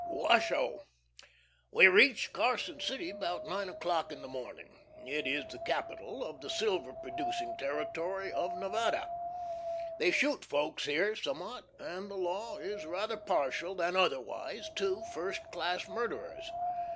WASHOE. We reach Carson City about nine o'clock in the morning. It is the capital of the silver producing territory of Nevada. They shoot folks here somewhat, and the law is rather partial than otherwise to first class murderers.